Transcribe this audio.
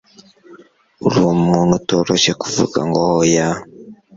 Uri umuntu utoroshye kuvuga ngo oya.